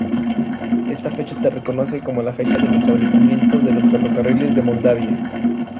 Esta fecha se reconoce como la fecha del establecimiento de los Ferrocarriles de Moldavia.